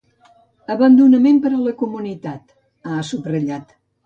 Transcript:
“Abandonament per a la Comunitat”, ha subratllat.